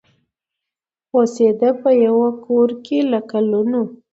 اوسېده په یوه کورکي له کلونو